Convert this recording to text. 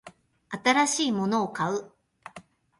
新しいものを買う